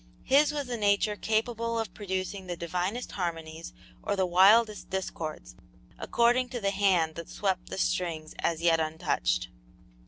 His was a nature capable of producing the divinest harmonies or the wildest discords, according to the hand that swept the strings as yet untouched.